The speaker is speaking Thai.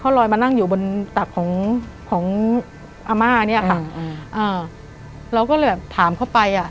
เค้าลอยมานั่งอยู่บนตักของอาม่าเนี่ยค่ะเราก็เลยแบบถามเข้าไปอะ